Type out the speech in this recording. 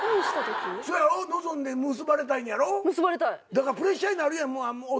だからプレッシャーになるやん。